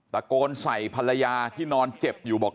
ตะโกนใส่ภรรยาที่นอนเจ็บอยู่บอก